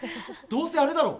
どうせあれだろ？